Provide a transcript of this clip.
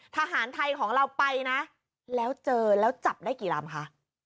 ทหารไทยของเราไปนะแล้วเจอแล้วจับได้กี่ลำคะ